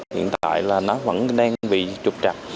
hiện tại là nó vẫn đang bị trục cháy